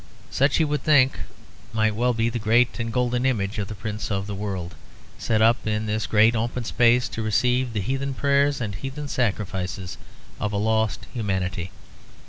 Such, he would think, might well be the great and golden image of the Prince of the World, set up in this great open space to receive the heathen prayers and heathen sacrifices of a lost humanity.